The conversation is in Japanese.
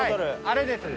あれです。